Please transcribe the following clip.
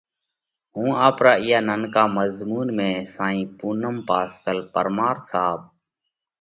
هُون آپرا اِيئا ننڪا مضمُونَ ۾ سائين پُونم پاسڪل پرمار صاحب